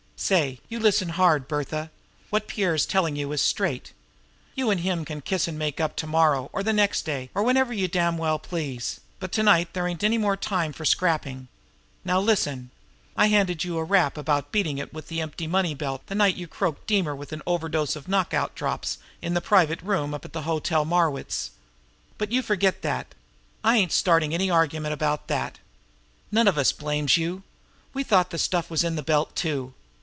"Say, you listen hard, Bertha! What Pierre's telling you is straight. You and him can kiss and make up to morrow or the next day, or whenever you damned please; but to night there ain't any more time for scrapping. Now, listen! I handed you a rap about beating it with the empty money belt the night you croaked Deemer with an overdose of knockout drops in the private dining room up at the Hotel Marwitz, but you forget that! I ain't for starting any argument about that. None of us blames you. We thought the stuff was in the belt, too.